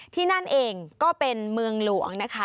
ที่นั่นเองก็เป็นเมืองหลวงนะคะ